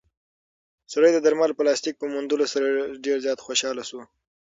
سړی د درملو د پلاستیک په موندلو سره ډېر زیات خوشحاله شو.